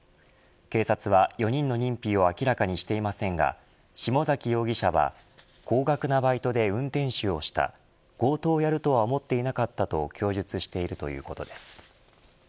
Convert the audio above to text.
警察を４人の認否を明らかにしていませんが下崎容疑者は高額なバイトで運転手をした強盗をやるとは思っていなかったと供述しているということです。